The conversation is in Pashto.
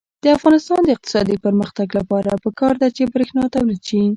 د افغانستان د اقتصادي پرمختګ لپاره پکار ده چې برښنا تولید شي.